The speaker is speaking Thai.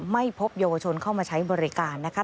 ไม่พบเยาวชนเข้ามาใช้บริการนะคะ